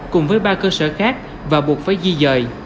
cùng với ba cơ sở khác và buộc phải di dời